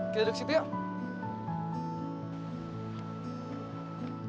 kita duduk situ yuk